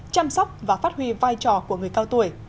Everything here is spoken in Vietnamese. chăm sóc và phát huy vai trò của người cao tuổi